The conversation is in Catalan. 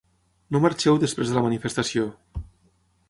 No marxeu després de la manifestació!